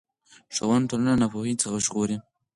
ښوونه ټولنه له ناپوهۍ څخه ژغوري